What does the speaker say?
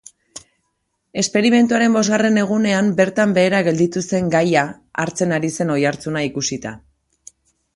Esperimentuaren bosgarren egunean bertan behera gelditu zen gaia hartzen ari zen oihartzuna ikusita.